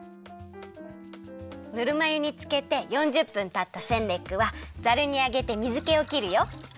ぬるま湯につけて４０分たったセンレックはざるにあげて水けをきるよ。